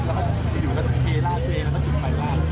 พี่อยู่ก็เคลาดตัวเองแล้วก็จุดไฟลาด